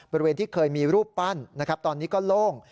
บริเวณที่เคยมีรูปปั้นนะครับตอนนี้ก็โล่ง